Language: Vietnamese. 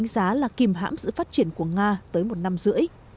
giá là kìm hãm sự phát triển của nga tới một năm rưỡi